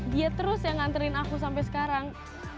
dia terus yang nganterin aku sampai sekarang